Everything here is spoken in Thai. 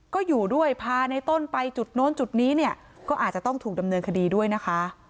ก็อยู่ด้วยพาในต้นไปจุดโน้นจุดนี้เนี่ยก็อาจจะต้องถูกดำเนินคดีด้วยนะคะ